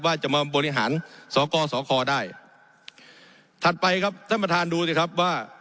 ว่าจะมาบริหารสกสคได้ถัดไปครับท่านประธานดูสิครับว่า